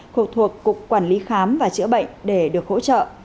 thuộc cục quản lý khám và chữa bệnh để được hỗ trợ